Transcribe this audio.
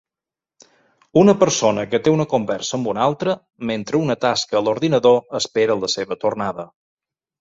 Una persona que té una conversa amb una altra, mentre una tasca a l'ordinador espera la seva tornada.